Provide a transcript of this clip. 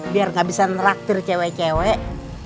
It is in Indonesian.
biar gak bisa ngeraktir cewek cewek